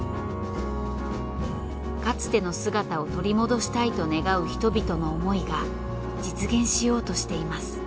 かつての姿を取り戻したいと願う人々の思いが実現しようとしています。